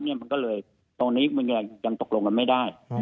มันก็เลยตรงนี้มันยังตกลงกันไม่ได้